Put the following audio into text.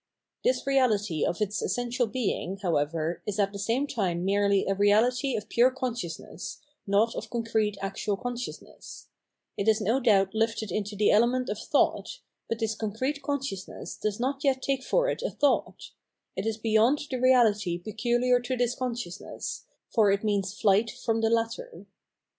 This reahty of its essential being, how ever, is at the same time merely a reahty of pure consciousness, not of concrete actual consciousness : it is no doubt hfted into the element of thought, but this concrete consciousness does not yet take it for a thought ; it is beyond the reahty pecuhar to this con sciousness, for it means flight from the latter.